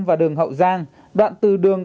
và đường hậu giang đoạn từ đường